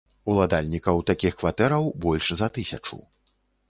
Уладальнікаў такіх кватэраў больш за тысячу.